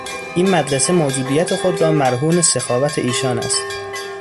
این مدرسه موجودیت خود را مرهون سخاوت ایشان است.